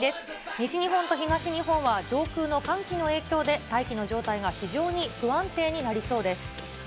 西日本と東日本は上空の寒気の影響で大気の状態が非常に不安定になりそうです。